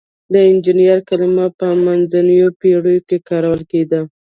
د انجینر کلمه په منځنیو پیړیو کې کارول کیده.